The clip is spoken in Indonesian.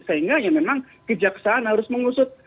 sehingga ya memang kejaksaan harus mengusut